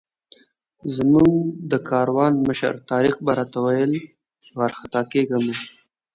زموږ د کاروان مشر طارق به راته ویل چې وارخطا کېږه مه.